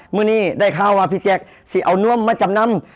เมื่อนี้ได้ข่าวว่าพี่แจ๊คสิเอานวมมาจำนำ